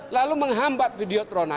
lalu menghambat video trona